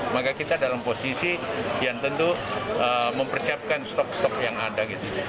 maka kita dalam posisi yang tentu mempersiapkan stok stok yang ada